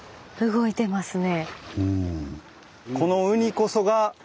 動いてますね。